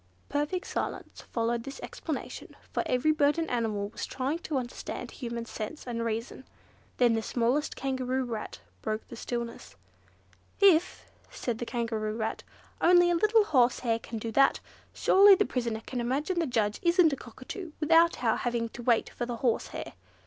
Perfect silence followed this explanation, for every bird and animal was trying to understand human sense and reason. Then the smallest Kangaroo Rat broke the stillness. "If," said the Kangaroo Rat, "only a little horsehair can do that, surely the prisoner can imagine the judge isn't a cockatoo, without our having to wait for the horsehair.